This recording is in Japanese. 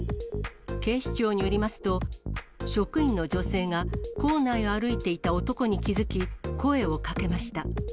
警視庁によりますと、職員の女性が校内を歩いていた男に気付き、声をかけました。